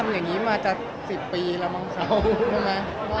ก็ทำอย่างนี้มาจาก๑๐ปีแล้วมั้งเขา